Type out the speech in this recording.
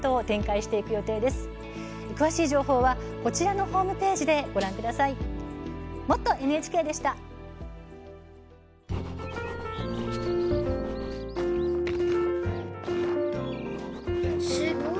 詳しい情報はホームぺージでご覧ください。